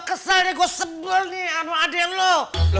gue kesel nih gue sebel nih sama adik lo